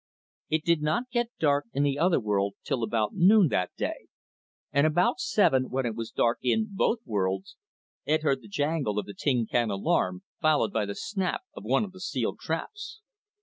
It did not get dark in the other world till about noon, that day; and about seven, when it was dark in both worlds, Ed heard the jangle of the tin can alarm, followed by the snap of one of the steel traps.